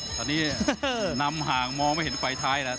ตอนนี้นำห่างมองไม่เห็นไฟท้ายแล้ว